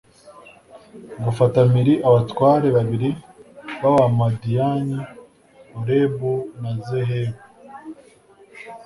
bafata mpiri abatware babiri b'abamadiyani, orebu na zehebu